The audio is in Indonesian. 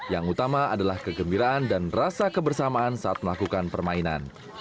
yang utama adalah kegembiraan dan rasa kebersamaan saat melakukan permainan